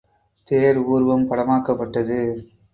தேர் ஊர்வம் படமாக்கப்பட்டது.